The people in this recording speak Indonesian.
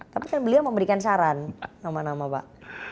tapi kan beliau memberikan saran nama nama pak